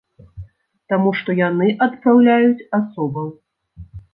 Таму што яны адпраўляюць асобаў.